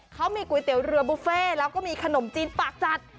เขามีก๋วยเตี๋ยวเรือบุฟเฟ่แล้วก็มีขนมจีนปากจัด